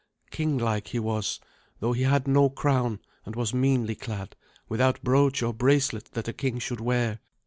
Kinglike he was, though he had no crown and was meanly clad, without brooch or bracelet that a king should wear.